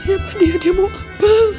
siapa dia mau apa